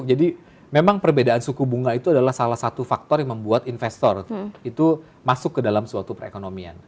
jadi memang perbedaan suku bunga itu adalah salah satu faktor yang membuat investor itu masuk ke dalam suatu perekonomian